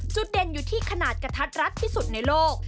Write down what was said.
จุดเด่นอยู่ที่ขนาดกระทัดรัดที่สุดในโลก